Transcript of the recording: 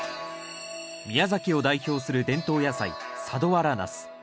宮崎を代表する伝統野菜佐土原ナス。